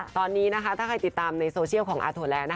ตอนนี้ถ้าใครติดตามในโซเชียลของอาถั่วแลนด